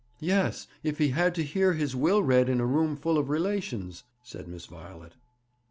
'Yes; if he had to hear his will read in a room full of relations,' said Miss Violet.